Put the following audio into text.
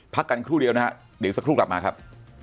พักกันครู่เดียวนะฮะเดี๋ยวสักครู่กลับมาครับ